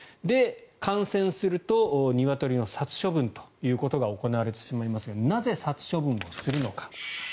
感染するとニワトリの殺処分ということが行われてしまいますがなぜ、殺処分をするのか。